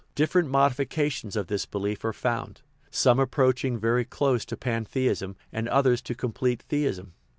Different modifications of this belief are found, some approaching very close to pantheism and others to complete theism.